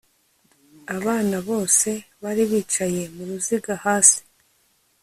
Abana bose bari bicaye muruziga hasi